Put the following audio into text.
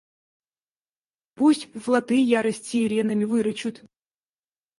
Пусть флоты ярость сиренами вырычут!